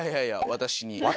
私に！？